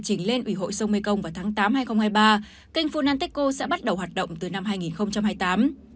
kênh ủy hội sông mekong vào tháng tám hai nghìn hai mươi ba kênh phunanteco sẽ bắt đầu hoạt động từ năm hai nghìn hai mươi tám